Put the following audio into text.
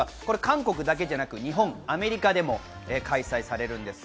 韓国だけではなく、日本、アメリカでも開催されるんです。